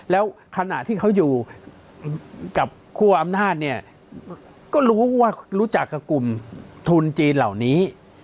แล้วขณะที่เขาอยู่กับคู่อำนาจเนี่ยก็รู้ว่ารู้จักกับกลุ่มทุนจีนเหล่านี้